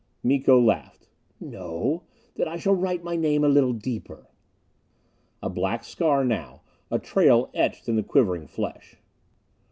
Miko laughed. "No? Then I shall write my name a little deeper...." A black scar now a trail etched in the quivering flesh.